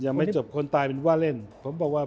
ยังไม่จบคนตายเป็นว่าเล่นพระอาจารย์